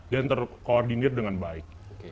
dan terkoordinir dengan baik